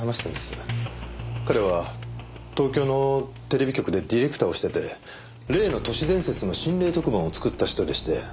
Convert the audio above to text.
彼は東京のテレビ局でディレクターをしていて例の都市伝説の心霊特番を作った人でして。